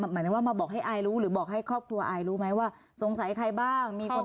หมายถึงว่ามาบอกให้อายรู้หรือบอกให้ครอบครัวอายรู้ไหมว่าสงสัยใครบ้างมีคน